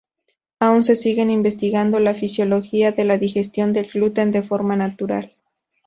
Aún se sigue investigando la fisiología de la digestión del gluten de forma natural.